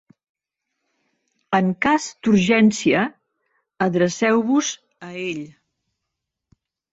En cas d'urgència, adreceu-vos a ell.